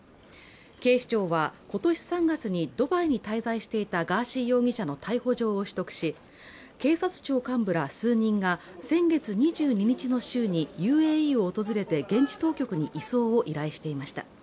警視庁は今年３月にドバイに滞在していたガーシー容疑者の逮捕状を取得し警察庁幹部ら数人が先月２２日の週にＵＡＥを訪れて現地当局に移送を依頼していました。